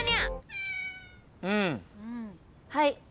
はい。